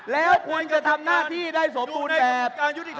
แล้วคุณก็ทำหน้าที่ได้สมบูรณ์แบบ